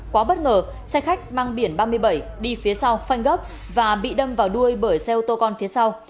quá bất ngờ xe khách mang biển ba mươi bảy đi phía sau phanh gấp và bị đâm vào đuôi bởi xe ô tô con phía sau